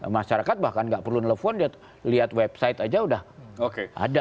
masyarakat bahkan nggak perlu nelfon dia lihat website aja udah ada